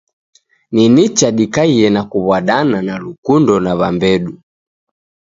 Ni nicha dikaiye na kuw'adana na lukundo na w'ambedu.